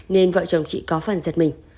nên vợ chồng chị có phần giật mình